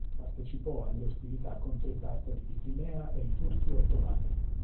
Partecipò alle ostilità contro i tartari di Crimea e i turchi ottomani.